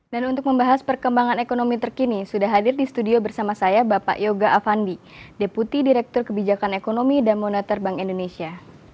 dan untuk membahas perkembangan ekonomi terkini sudah hadir di studio bersama saya bapak yoga avandi deputi direktur kebijakan ekonomi dan monitor bank indonesia